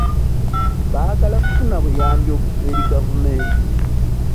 Baagala kufuna buyambi okuva eri gavumenti.